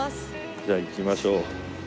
じゃあ行きましょう。